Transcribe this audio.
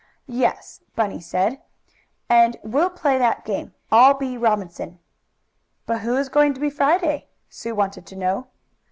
"Yes," Bunny said, "and we'll play that game. I'll be Robinson." "But who is going to be Friday?" Sue wanted to know.